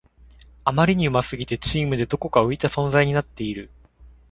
あまりに上手すぎてチームでどこか浮いた存在になっている